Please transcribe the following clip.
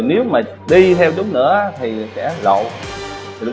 để mình suy nghĩ lại